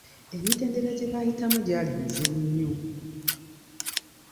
Emitendera gye baayitamu gyali muzibu nnyo.